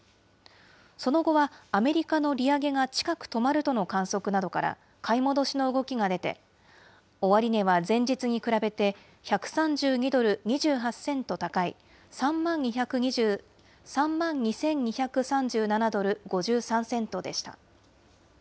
その後は、アメリカの利上げが近く止まるとの観測などから、買い戻しの動きが出て、終値は前日に比べて、１３２ドル２８セント高い、３万２２３７ドル５３セントでした。